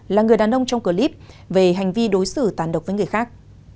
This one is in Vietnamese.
là người đàn ông trong clip về hành vi đối xử tàn độc với người khác